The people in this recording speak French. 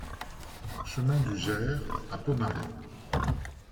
Chemin du Gert à Pomarez